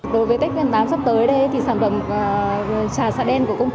đối với tết viên tám sắp tới đây thì sản phẩm trà sạ đen của công ty